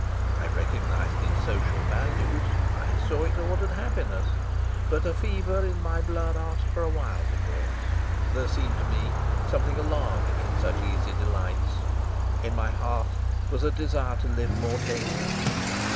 I recognised its social values, I saw its ordered happiness, but a fever in my blood asked for a wilder course. There seemed to me something alarming in such easy delights. In my heart was a desire to live more dangerously.